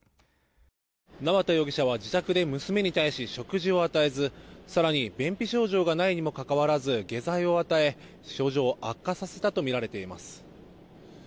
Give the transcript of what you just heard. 縄田容疑者は自宅で娘に対し、食事を与えず更に便秘症状がないにもかかわらず下剤を与え症状を悪化させたとみられています。